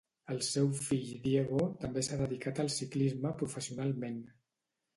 El seu fill Diego també s'ha dedicat al ciclisme professionalment.